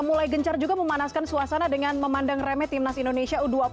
mulai gencar juga memanaskan suasana dengan memandang remeh timnas indonesia u dua puluh